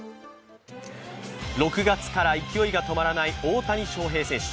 ６月から勢いが止まらない大谷翔平選手。